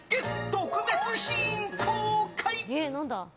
特別シーン公開！